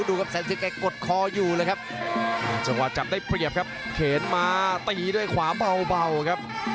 ครับแสนสิทแกกดคออยู่เลยครับจังหวะจับได้เปรียบครับเข็นมาตีด้วยขวาเบาครับ